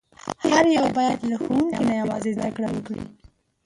هر یو باید له ښوونکي نه یوازې زده کړه وکړي.